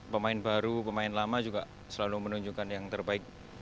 pemain baru pemain lama juga selalu menunjukkan yang terbaik